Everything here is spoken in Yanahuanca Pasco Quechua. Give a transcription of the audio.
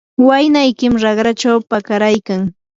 waynaykim raqrachaw pakaraykan.